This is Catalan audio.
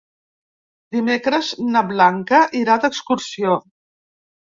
Dimecres na Blanca irà d'excursió.